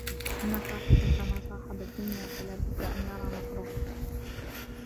إنَّ صَاحِبَك مَا صَاحَبَ الدُّنْيَا فَلَا بُدَّ أَنْ يَرَى مَكْرُوهًا